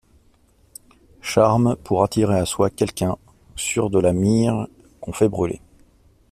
Charme pour attirer à soi quelqu'un, sur de la myrrhe qu'on fait brûler.